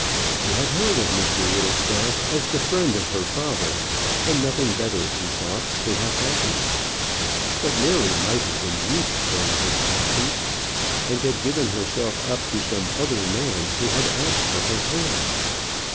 He had heard of Mr Whittlestaff as the friend of her father, and nothing better he thought could have happened. But Mary might have been weak during his absence, and have given herself up to some other man who had asked for her hand.